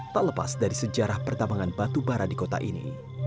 tak lepas dari sejarah pertambangan batubara di kota ini